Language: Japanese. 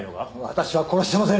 私は殺してません！